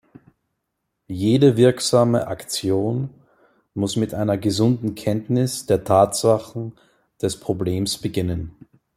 Jede wirksame Aktion muss mit einer gesunden Kenntnis der Tatsachen des Problems beginnen.